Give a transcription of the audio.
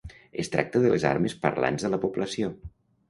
Es tracta de les armes parlants de la població.